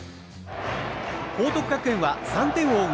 報徳学園は３点を追う